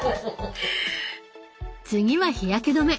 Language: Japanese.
次は日焼け止め。